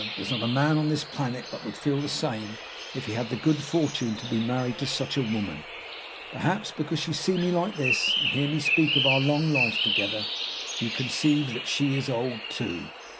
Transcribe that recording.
There's not a man on this planet but would feel the same if he had the good fortune to be married to such a woman. Perhaps, because you see me like this, and hear me speak of our long life together, you conceive that she is old, too."